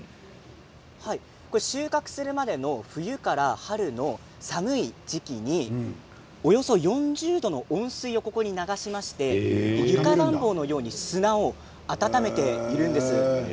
収穫するまでの冬から春の寒い時期におよそ４０度の温水をここに流しまして床暖房のように砂を温めているんです。